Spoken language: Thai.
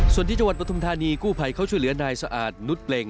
ส่วนที่จังหวัดประธุมธรรมนี้กู้ไผข้าวช่วยเหลือนายสะอาดนุฏเปร่ง